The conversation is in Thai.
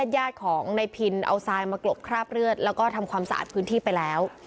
ญาติของนายพินเอาทรายมากรบคราบเลือดแล้วก็ทำความสะอาดพื้นที่ไปแล้ว